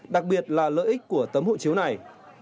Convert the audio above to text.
đặc biệt là lợi ích của tấm hộ chiếu này